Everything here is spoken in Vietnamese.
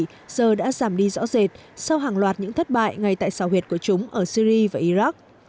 giờ đã giảm đi rõ rệt sau hàng loạt những thất bại ngay tại sao huyệt của chúng ở syri và iraq